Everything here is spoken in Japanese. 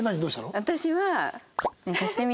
私は。